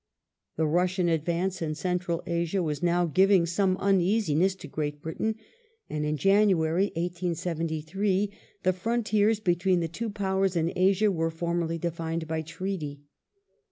The Russian advance in Central Asia was now giving some uneasiness to Great Britain, and in January, 1873, the frontiers between the two Towel's in Asia were formally defined by Treaty.